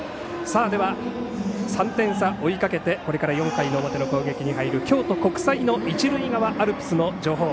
では、３点差追いかけてこれから４回の表の攻撃に入る京都国際の一塁側アルプスの情報